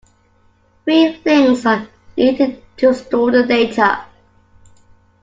Three links are needed to store the data.